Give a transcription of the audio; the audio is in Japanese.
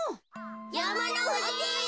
やまのふじ！